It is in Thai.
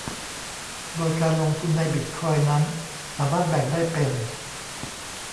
โดยการลงทุนในบิตคอยน์นั้นสามารถแบ่งได้เป็น